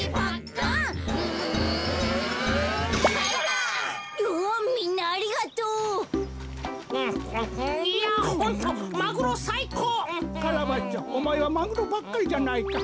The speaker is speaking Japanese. カラバッチョおまえはマグロばっかりじゃないか。